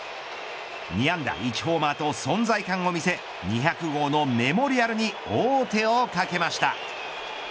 ２安打１ホーマーと存在感を見せ２００号のメモリアルに王手をかけました。